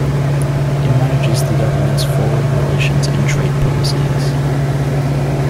It manages the government's foreign relations and trade policies.